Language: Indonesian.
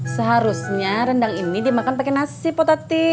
seharusnya rendang ini dimakan pakai nasi potati